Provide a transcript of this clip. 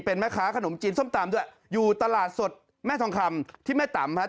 เป็นแม่ค้าขนมจีนส้มตำด้วยอยู่ตลาดสดแม่ทองคำที่แม่ต่ำฮะ